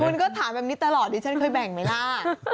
คุณก็ถามแบบนี้ตลอดดิฉันเคยแบ่งไหมล่ะ